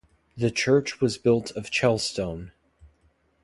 The church was built of Chell stone.